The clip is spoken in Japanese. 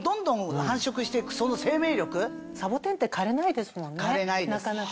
サボテンって枯れないですもんねなかなかね。